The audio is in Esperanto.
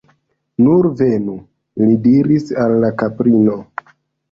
Nur venu! li diris al la kaprino.